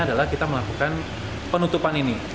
adalah kita melakukan penutupan ini